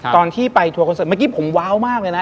ตอนที่ไปทัวร์คอนเสิร์ตเมื่อกี้ผมว้าวมากเลยนะ